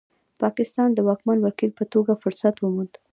پاکستان د واکمن وکیل په توګه فرصت وموند.